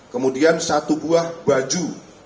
kemudian satu buah baju